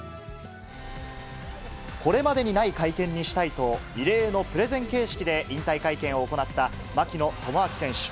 これまでにない会見にしたいと、異例のプレゼン形式で引退会見を行った槙野智章選手。